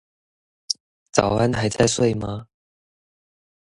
早安還在睡嗎